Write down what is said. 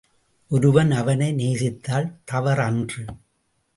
ஒருவன் அவனை நேசித்தல் தவறன்று.